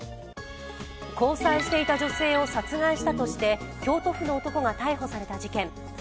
交際していた女性を殺害したとして、京都府の男が逮捕された事件。